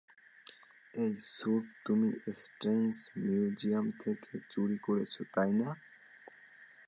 এই স্যুট তুমি strange museum থেকে চুরি করেছো, তাই না?